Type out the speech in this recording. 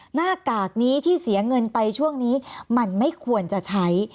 หน้ากากนี้ที่เสียเงินไปช่วงนี้มันไม่ควรจะใช้